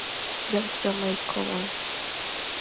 Dance-drama is common.